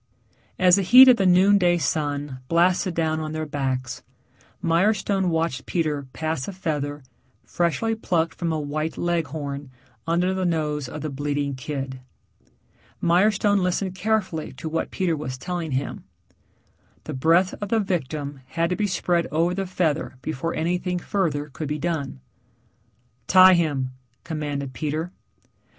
As the heat of the noon day sun blasted down on their backs, Mirestone watched Peter pass a feather, freshly plucked from a white Leghorn, under the nose of the bleating kid. Mirestone listened carefully to what Peter was telling him. The breath of the victim had to be spread over the feather before anything further could be done. "Tie him," commanded Peter.